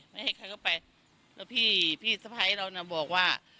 ไม่ให้ใครเข้าไปแล้วพี่พี่สะพ้ายเราน่ะบอกว่า